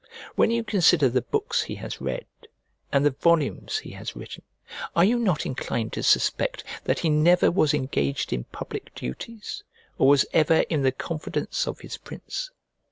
When you consider the books he has read, and the volumes he has written, are you not inclined to suspect that he never was engaged in public duties or was ever in the confidence of his prince?